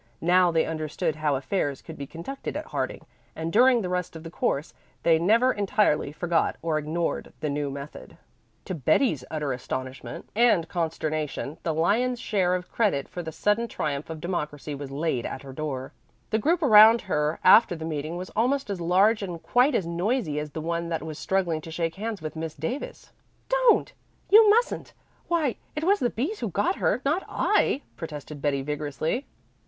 Now they understood how affairs could be conducted at Harding, and during the rest of the course they never entirely forgot or ignored the new method. To Betty's utter astonishment and consternation the lion's share of credit for the sudden triumph of democracy was laid at her door. The group around her after the meeting was almost as large and quite as noisy as the one that was struggling to shake hands with Miss Davis. "Don't! You mustn't. Why, it was the B's who got her, not I," protested Betty vigorously.